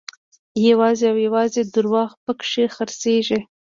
یوازې او یوازې درواغ په کې خرڅېږي.